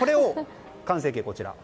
完成形、こちら。